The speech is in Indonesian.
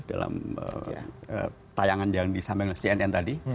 dalam tayangan yang disampaikan cnn tadi